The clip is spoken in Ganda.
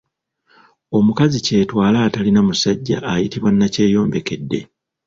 Omukazi kyetwala atalina musajja ayitibwa nnakyeyombekedde .